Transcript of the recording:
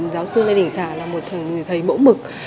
giáo sư lê đình khả là một người thầy mẫu mực